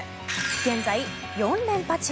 現在４連覇中。